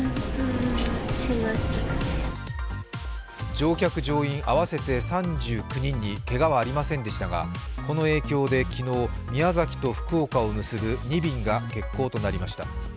乗客・乗員合わせて３９人にけがはありませんでしたがこの影響で昨日宮崎と福岡を結ぶ２便が欠航となりました。